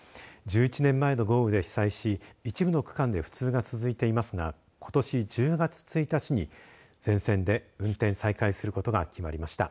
１１年前の豪雨で被災し一部の区間で不通が続いていますがことし１０月１日に全線で運転再開することが決まりました。